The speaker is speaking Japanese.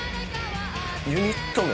ユニット名？